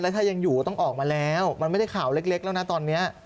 ถ้ายังอยู่ต้องออกมาแล้วมันไม่ได้ข่าวเล็กแล้วนะตอนนี้